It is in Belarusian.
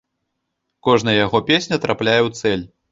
Кожная яго песня трапляе ў цэль.